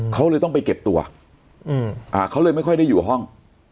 เขาเลยต้องไปเก็บตัวเขาเลยไม่ค่อยได้อยู่ห้อง